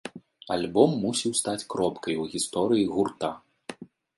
Альбом мусіў стаць кропкай у гісторыі гурта.